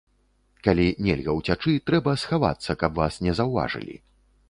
Калі нельга ўцячы, трэба схавацца, каб вас не заўважылі.